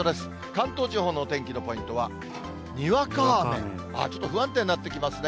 関東地方のお天気のポイントは、にわか雨、ちょっと不安定になってきますね。